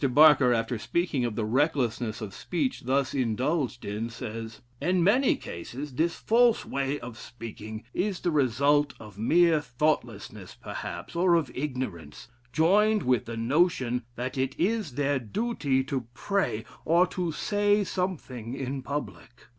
Barker, after speaking of the recklessness of speech thus indulged in, says: "In many cases this false way of speaking is the result of mere thoughtlessness perhaps, or of ignorance, joined with the notion that it is their duty to pray, or to say something in public.